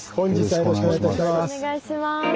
よろしくお願いします。